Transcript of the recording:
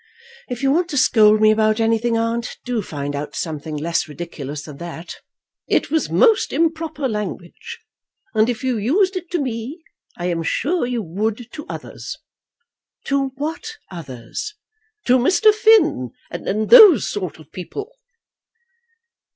If you want to scold me about anything, aunt, do find out something less ridiculous than that." "It was most improper language, and if you used it to me, I am sure you would to others." "To what others?" "To Mr. Finn, and those sort of people."